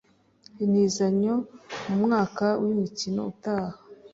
intizanyo mu mwaka w’imikino utaha.